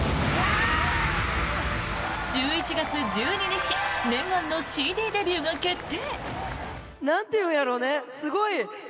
１１月１２日念願のＣＤデビューが決定！